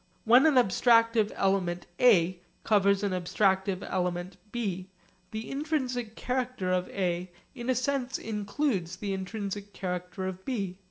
When an abstractive element A covers an abstractive element B, the intrinsic character of A in a sense includes the intrinsic character of B.